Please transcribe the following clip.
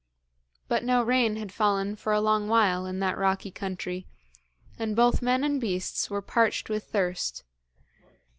But no rain had fallen for a long while in that rocky country, and both men and beasts were parched with thirst.